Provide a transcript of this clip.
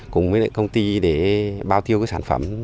cùng với lại công ty để bao tiêu cái sản phẩm